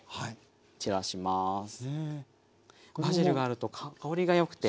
バジルがあると香りがよくて。